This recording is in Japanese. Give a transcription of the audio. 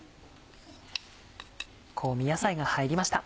香味野菜が入りました。